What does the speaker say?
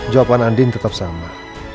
jawaban andin tetap sama